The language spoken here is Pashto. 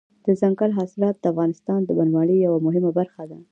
دځنګل حاصلات د افغانستان د بڼوالۍ یوه مهمه برخه ده.